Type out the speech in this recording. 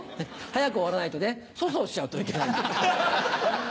早く終わらないとね粗相しちゃうといけないんで。